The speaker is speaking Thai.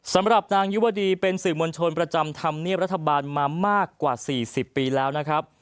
สำหรับนางยุวดีเป็นสื่อมวลชนประจำธรรมเนียบรัฐบาลมามากกว่า๔๐ปีแล้วนะครับ